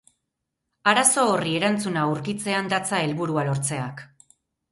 Arazo horri erantzuna aurkitzean datza helburua lortzeak.